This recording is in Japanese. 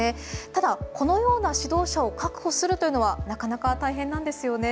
ただ、このような指導者を確保するというのはなかなか大変なんですよね。